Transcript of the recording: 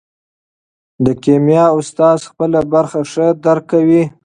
د کیمیا استاد خپله برخه ښه درک کوي.